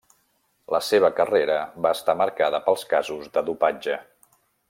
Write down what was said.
La seva carrera va estar marcada pels casos de dopatge.